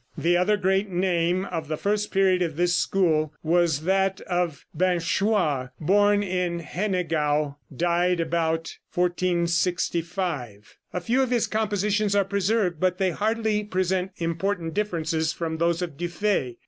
The other great name of the first period of this school was that of Binchois, born in Hennegau, died about 1465. A few of his compositions are preserved, but they hardly present important differences from those of Dufay.